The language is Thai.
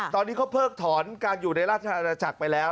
ตอนนี้เขาเพิกถอนการอยู่ในราชอาณาจักรไปแล้ว